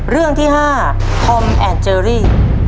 เรื่องที่๕ธอมแอนเจอรี่